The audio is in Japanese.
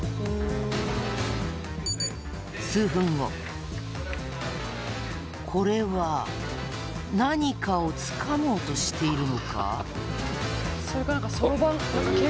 数分後、これは何かをつかもうとしているのか。